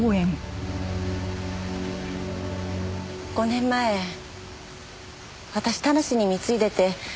５年前私田無に貢いでて。